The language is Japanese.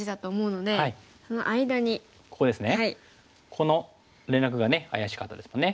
この連絡が怪しかったですもんね。